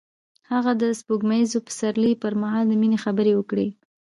هغه د سپوږمیز پسرلی پر مهال د مینې خبرې وکړې.